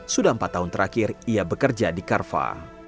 sudah empat tahun terakhir ia bekerja di carva